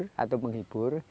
penghibur atau penghibur